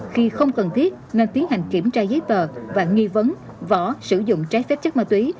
khi không cần thiết nên tiến hành kiểm tra giấy tờ và nghi vấn võ sử dụng trái phép chất ma túy